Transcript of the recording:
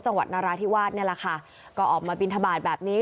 ราธิวาสนี่แหละค่ะก็ออกมาบินทบาทแบบนี้